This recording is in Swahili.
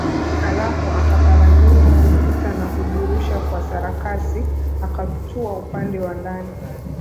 Halafu akaparamia ukuta na kujirusha kwa sarakasi akatua upande wa ndani